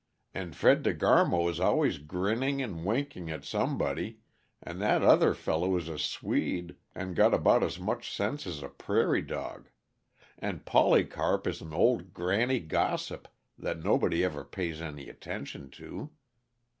"And Fred De Garmo is always grinning and winking at somebody; and that other fellow is a Swede and got about as much sense as a prairie dog and Polycarp is an old granny gossip that nobody ever pays any attention to.